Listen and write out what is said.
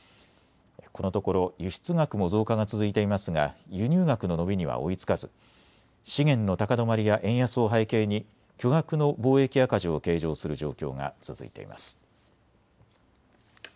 このところ輸出額も増加が続いていますが輸入額の伸びには追いつかず資源の高止まりや円安を背景に巨額の貿易赤字を計上する状況が続いています。